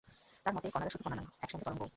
তাঁর মতে, কণারা শুধু কণা নয়, একই সঙ্গে তরঙ্গও।